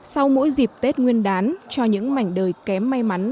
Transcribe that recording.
sau mỗi dịp tết nguyên đán cho những mảnh đời kém may mắn